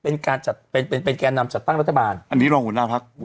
เป็นการจัดเป็นเป็นแก่นำจัดตั้งรัฐบาลอันนี้รองหัวหน้าพัก